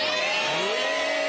え！